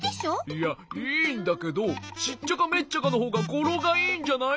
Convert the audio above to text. いやいいんだけどシッチャカメッチャカのほうがごろがいいんじゃない？